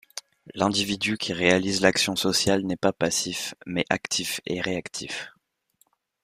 L'individu qui réalise l'action sociale n'est pas passif, mais actif et réactif.